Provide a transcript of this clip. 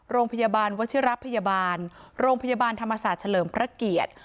โรงพยาบาลวัชิระพยาบาลโรงพยาบาลธรรมศาสตร์เฉลิมพระเกียรติ